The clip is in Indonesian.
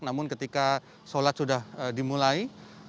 namun ketika sholat sudah dimulai